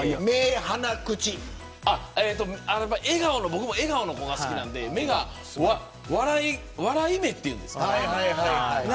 僕は笑顔の子が好きなので目が笑い目というんですか。